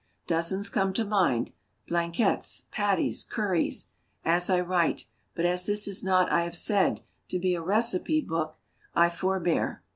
Dozens come to my mind, blanquettes, patties, curries, as I write; but as this is not, I have said, to be a recipe book, I forbear.